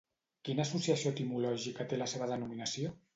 Quina associació etimològica té la seva denominació?